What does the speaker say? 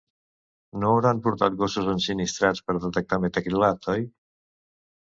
No hauran portat gossos ensinistrats per detectar metacrilat, oi?